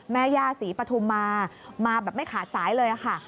แม่ย่าศรีปฐุมมามาแบบไม่ขาดสายเลยค่ะ